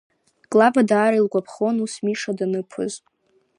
Клава даара илгәаԥхон ус Миша даныԥоз.